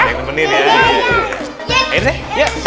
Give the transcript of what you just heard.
ayo deh ya latihan ya